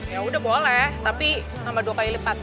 yaudah boleh tapi tambah dua kali lipat